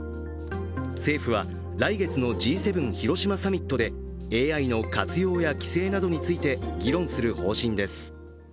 政府は来月のＧ７広島サミットでＡＩの活用や規制などについて議論する方針です。